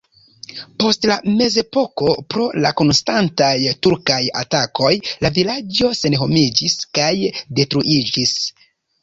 Post la mezepoko pro la konstantaj turkaj atakoj la vilaĝo senhomiĝis kaj detruiĝis.